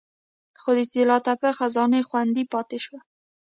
خو د طلا تپه خزانه خوندي پاتې شوه